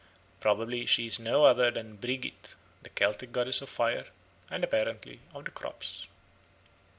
Probably she is no other than Brigit, the Celtic goddess of fire and apparently of the crops.